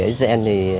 ở zn thì